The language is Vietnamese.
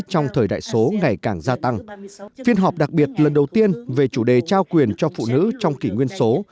trong thời đại số ngày càng gia tăng phiên họp đặc biệt lần đầu tiên về chủ đề trao quyền cho phụ nữ trong kỷ nguyên số